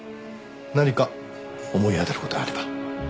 何か思い当たる事があれば。